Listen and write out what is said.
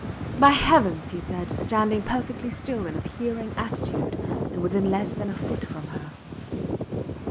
By Heavens! he said, standing perfectly still in a peering attitude and within less than a foot from her.